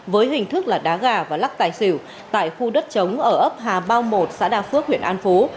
với hình thức là đá gà và lắc tài xỉu tại khu đất chống ở ấp hà bao một xã đa phước huyện an phú